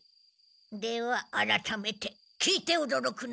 ではあらためて聞いておどろくな。